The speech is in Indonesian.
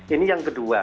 ini yang kedua